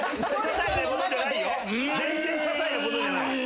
全然ささいなことじゃない。